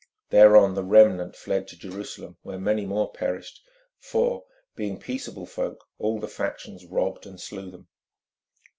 Thereon the remnant fled to Jerusalem, where many more perished, for, being peaceable folk, all the factions robbed and slew them.